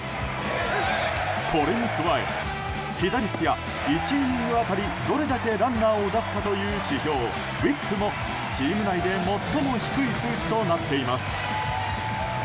これに加え、被打率や１イニング当たりどれだけランナーを出すかという指標、ＷＨＩＰもチーム内で最も低い数値となっています。